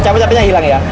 capek capeknya hilang ya